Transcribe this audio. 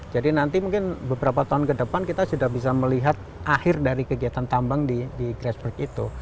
jadi nanti mungkin beberapa tahun ke depan kita sudah bisa melihat akhir dari kegiatan tambang di gresberg itu